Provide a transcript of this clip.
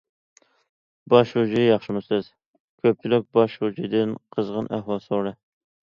« باش شۇجى ياخشىمۇسىز!» كۆپچىلىك باش شۇجىدىن قىزغىن ئەھۋال سورىدى.